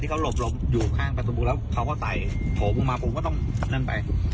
ที่เขาหลบหลบอยู่ข้างประสบุแล้วเขาก็ใส่โถมออกมาผมก็ต้องนั่นไป